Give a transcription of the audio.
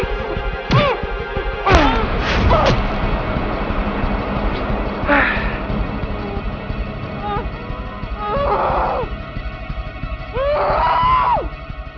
tenang saja gaji